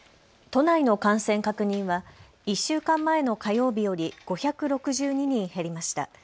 都内の感染確認は１週間前の火曜日より５６２人減りました。